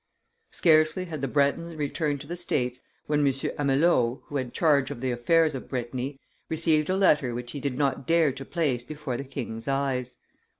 Scarcely had the Bretons returned to the states, when M. Amelot, who had charge of the affairs of Brittany, received a letter which he did not dare to place before the king's eyes.